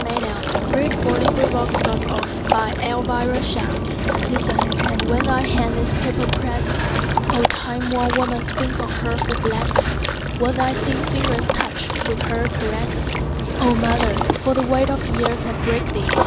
Y Z A Letter from a Girl to Her Own Old Age LISTEN, and when thy hand this paper presses, O time worn woman, think of her who blesses What thy thin fingers touch, with her caresses. O mother, for the weight of years that break thee!